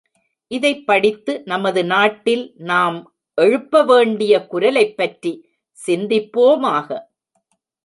இதைப் படித்து நமது நாட்டில் நாம் எழுப்பவேண்டிய குரலைப்பற்றி சிந்திப்போமாக.